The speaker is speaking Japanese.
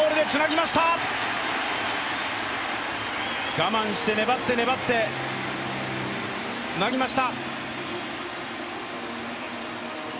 我慢して粘って粘ってつなぎました。